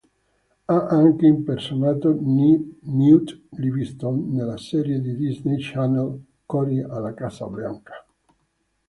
Ha anche impersonato Newt Livingston nella serie di Disney Channel "Cory alla Casa Bianca".